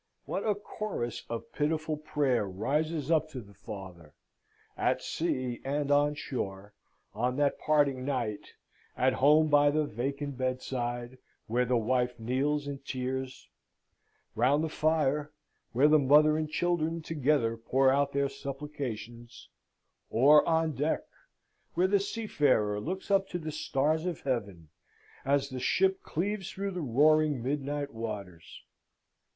What a chorus of pitiful prayer rises up to the Father, at sea and on shore, on that parting night at home by the vacant bedside, where the wife kneels in tears; round the fire, where the mother and children together pour out their supplications: or on deck, where the seafarer looks up to the stars of heaven, as the ship cleaves through the roaring midnight waters!